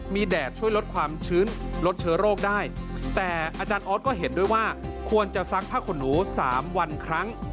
มีแดดช่วยลดความชื้นลดเชื้อโรคได้แต่อาจารย์ออสก็เห็นด้วยว่าควรจะซักผ้าขนหนู๓วันครั้ง